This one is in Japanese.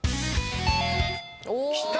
きた！